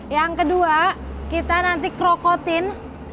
yang kedua kita nanti krokotin